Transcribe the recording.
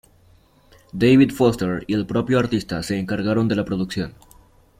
David Foster y el propio artista se encargaron de la producción.